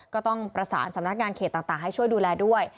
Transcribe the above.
ก็ต้องประสานสำนักงานเขตต่างให้ช่วยดูแลด้วย